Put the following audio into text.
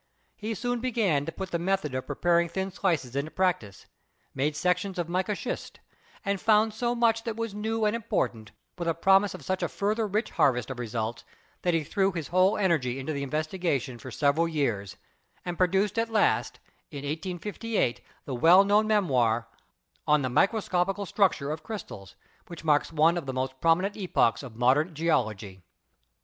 He soon began to put the method of preparing thin slices into practice, made sections of mica schist, and found so much that was new and important, with a promise of such a further rich harvest of results, that he*threw his whole energy into the investigation for several years, and produced at last in 1858 the well known memoir, "On the Microscopical Structure of Crystals," which marks one of the most prominent epochs of modern geology.